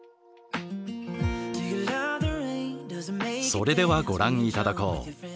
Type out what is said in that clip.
それではご覧頂こう。